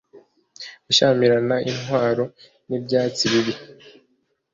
Gushyamirana intwaro nibyatsi bibi